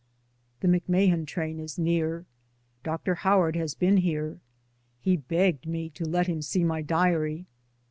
The McMahan train is near. Dr. Howard has been here; he begged me to let him see my diary.